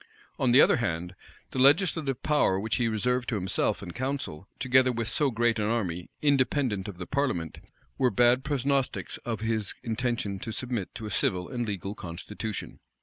On the other hand, the legislative power which he reserved to himself and council, together with so great an army, independent of the parliament, were bad prognostics of his intention to submit to a civil and legal constitution.